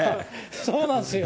そうなんですよ。